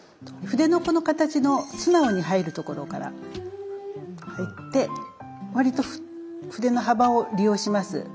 筆のこの形の素直に入るところから入って割と筆の幅を利用します。